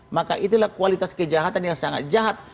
maka itulah kualitas kejahatan yang sangat jahat